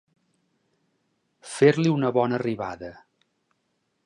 Fer-li una bona arribada.